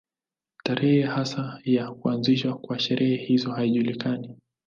Tarehe hasa ya kuanzishwa kwa sherehe hizi haijulikani.